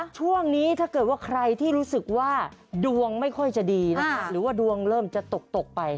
ช่วงนี้ถ้าเกิดว่าใครที่รู้สึกว่าดวงไม่ค่อยจะดีนะคะหรือว่าดวงเริ่มจะตกตกไป